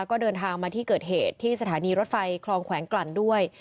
ก็เดินทางมาที่เกิดเหตุที่สถานีรถไฟคลองแขวงกลั่นด้วย